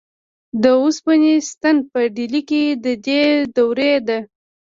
د اوسپنې ستن په ډیلي کې د دې دورې ده.